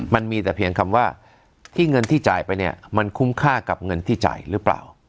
มันมีแต่เพียงคำว่าที่เงินที่จ่ายไปเนี่ยมันคุ้มค่ากับเงินที่จ่ายหรือเปล่า